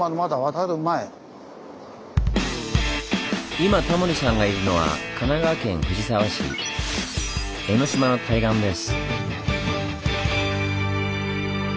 今タモリさんがいるのは神奈川県藤沢市江の島の対岸です。